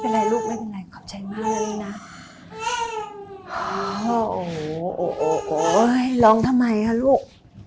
ไม่เป็นไรลูกไม่เป็นไรขอบใจมากว่าลูกนะโอ้ยล้อมทำไมล่ะลูก